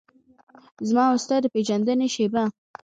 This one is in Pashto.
زما او ستا د پیژندنې شیبه